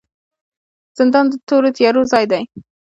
زندان د تورو تیارو ځای دی